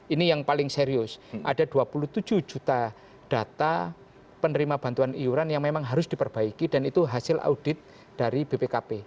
ini yang paling serius ada dua puluh tujuh juta data penerima bantuan iuran yang memang harus diperbaiki dan itu hasil audit dari bpkp